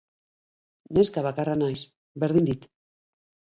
Neska bakarra naiz, berdin dit.